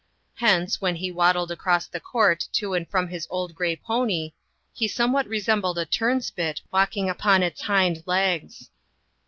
Hence, when he waddled across the court to and from his old grey pony, he somewhat resembled a turnspit walking upon its hind legs.